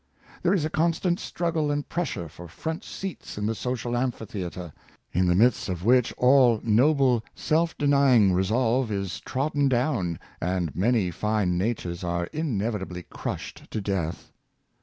There is a constant struggle and pressure for front seats in the social amphitheatre; in the midst of which all noble self denying resolve is trodden down, and many fine natures are inevitably crushed to death.